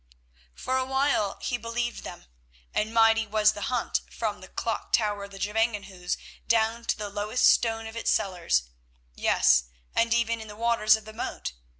For a while he believed them, and mighty was the hunt from the clock tower of the Gevangenhuis down to the lowest stone of its cellars, yes, and even in the waters of the moat.